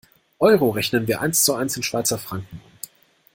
Euro rechnen wir eins zu eins in Schweizer Franken um.